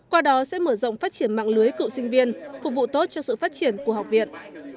qua đó sẽ mở rộng phát triển mạng lưới cựu sinh viên phục vụ tốt cho sự phát triển của học viện